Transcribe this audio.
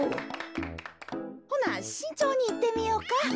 ほなしんちょうにいってみよか。